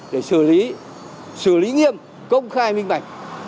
để xử lý nghiêm công khai minh bạch